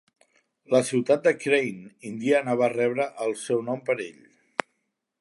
La ciutat de Crane, Indiana va rebre el seu nom per ell.